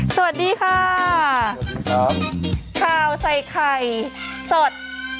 สวัสดีค่ะสวัสดีครับขาวใส่ไข่สด